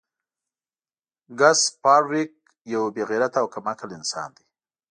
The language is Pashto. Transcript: ګس فارویک یو بې غیرته او کم عقل انسان دی